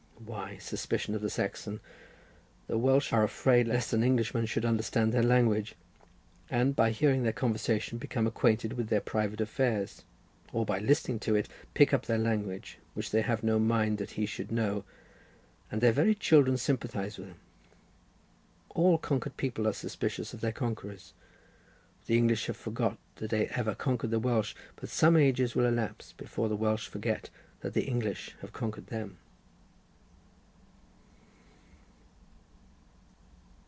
Why, suspicion of the Saxon. The Welsh are afraid lest an Englishman should understand their language, and, by hearing their conversation, become acquainted with their private affairs; or, by listening to it, pick up their language, which they have no mind that he should know—and their very children sympathise with them. All conquered people are suspicious of their conquerors. The English have forgot that they ever conquered the Welsh, but some ages will elapse before the Welsh forget that the English have conquered them.